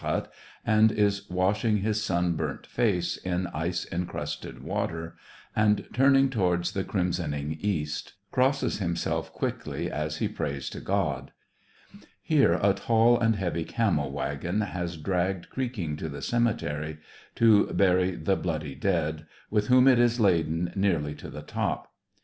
hut and is washing his sunburnt face in ice en crusted water, and, turning towards the crimson ing east, crosses himself quickly as he prays to God ; here a tall and heavy camel wagon has dragged creaking to the cemetery, to bury the bloody dead, with whom it is laden nearly to the top.